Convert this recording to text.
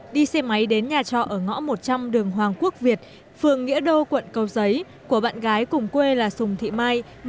đi xe máy đến nhà trọ ở ngõ một trăm linh đường hoàng quốc việt phường nghĩa đô quận cầu giấy của bạn gái cùng quê là sùng thị mai